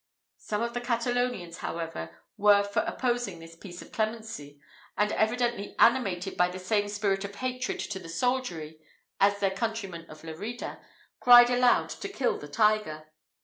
Some of the Catalonians, however, were for opposing this piece of clemency, and, evidently animated by the same spirit of hatred to the soldiery as their countrymen of Lerida, cried aloud to kill the tiger.